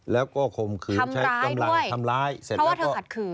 แล้วก็ข่มขืนใช้กำไรด้วยเพราะว่าเธอขัดขืนทำร้ายด้วยเสร็จแล้วก็